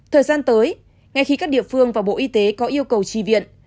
thời gian tới ngay khi các địa phương và bộ y tế có yêu cầu tri viện